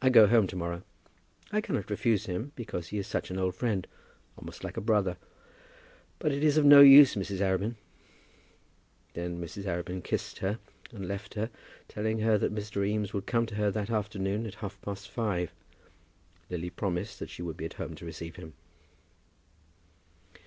I go home to morrow. I cannot refuse him, because he is such an old friend, almost like a brother. But it is of no use, Mrs. Arabin." Then Mrs. Arabin kissed her and left her, telling her that Mr. Eames would come to her that afternoon at half past five. Lily promised that she would be at home to receive him.